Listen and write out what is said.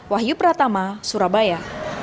wahyu pratama surabaya